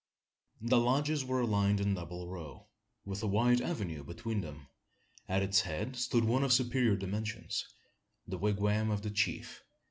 The lodges were aligned in double row, with a wide avenue between them. At its head stood one of superior dimensions the wigwam of the chief.